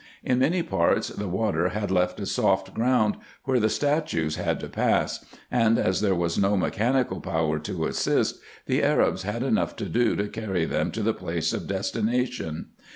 In many parts the water had left a soft ground where the statues had to pass ; and, as there was no mechanical power to assist, the Arabs had enough to do to carry them to the place of destination.